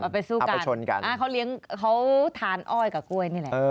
ไปสู้กันไปชนกันเขาเลี้ยงเขาทานอ้อยกับกล้วยนี่แหละ